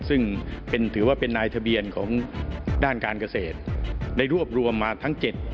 ซึ่งถือว่าเป็นนายทะเบียนของด้านการเกษตรได้รวบรวมมาทั้ง๗